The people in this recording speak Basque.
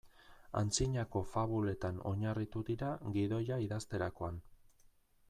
Antzinako fabuletan oinarritu dira gidoia idazterakoan.